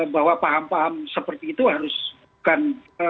bahwa paham paham seperti itu harus bukan